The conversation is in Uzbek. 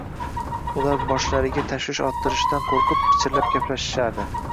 Ular boshlariga tashvish orttirishdan qo`rqib, pichirlab gaplashishardi